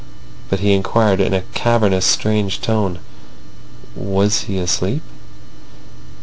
But he inquired in a cavernous, strange tone: "Was he asleep?"